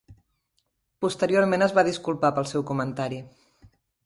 Posteriorment es va disculpar pel seu comentari.